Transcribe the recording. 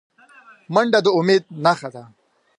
منډه د امید نښه ده